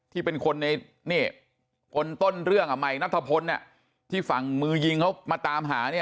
ที่เป็นคนในคนต้นเรื่องใหม่นัทพลที่ฝั่งมือยิงเขามาตามหาเนี่ย